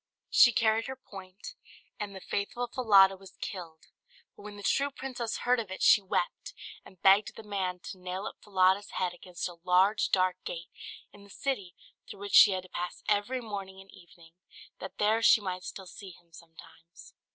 She carried her point, and the faithful Falada was killed; but when the true princess heard of it she wept, and begged the man to nail up Falada's head against a large dark gate in the city through which she had to pass every morning and evening, that there she might still see him sometimes.